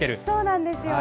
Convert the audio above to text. そうなんですよ。